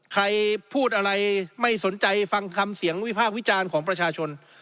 ใครพูดอะไรไม่สนใจฟังคำเสียงวิพากษ์วิจารณ์ของประชาชน